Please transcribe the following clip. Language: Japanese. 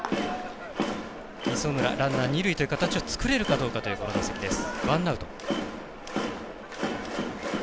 磯村、ランナー、二塁という形を作れるかというこの打席、ワンアウト。